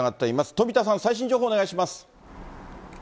富田さん、最新情報お願いします。